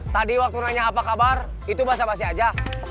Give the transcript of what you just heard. tadi waktu nanya apa kabar itu basah basi aja